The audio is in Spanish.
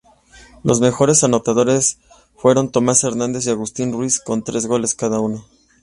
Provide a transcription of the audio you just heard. Los mejores anotadores fueron Tomás Hernández y Agustín Ruiz, con tres goles cada uno.